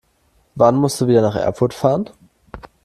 Wann musst du wieder nach Erfurt fahren?